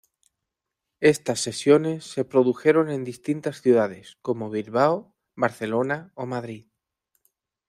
Estas sesiones se produjeron en distintas ciudades como Bilbao, Barcelona o Madrid.